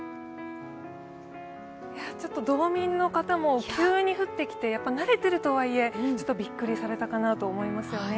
ちょっと道民の方も急に降ってきて、慣れているとはいえ、ちょっとびっくりされたかなと思いますよね。